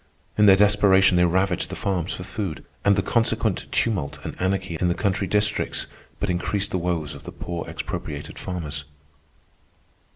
In their desperation they ravaged the farms for food, and the consequent tumult and anarchy in the country districts but increased the woes of the poor expropriated farmers.